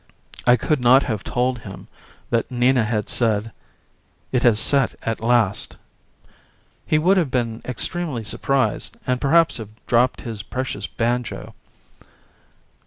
I could not have told him that Nina had said: "It has set at last." He would have been extremely surprised and perhaps have dropped his precious banjo.